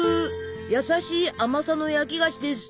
優しい甘さの焼き菓子です。